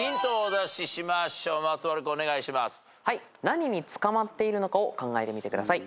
何につかまっているのかを考えてみてください。